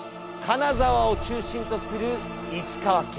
金沢を中心とする石川県。